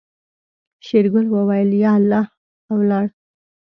شېرګل وويل يا الله او ولاړ.